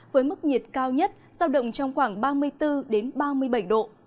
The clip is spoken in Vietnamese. với mức nhiệt cao nhất giao động trong khoảng ba mươi bốn ba mươi bảy độ